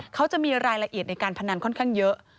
เขาจะมีรายละเอียดในการพนันค่อนข้างเยอะ